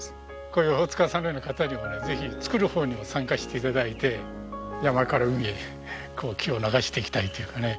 こういう大塚さんのような方にもねぜひ作る方にも参加して頂いて山から海へ木を流していきたいというかね。